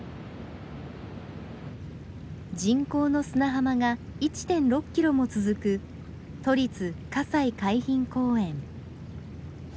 人工の砂浜が１．６キロも続く都立西海浜公園。